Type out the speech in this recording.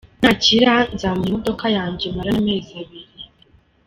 Ni akira nzamuha imodoka yanjye maranye amezi abiri.